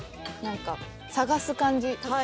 何か探す感じ。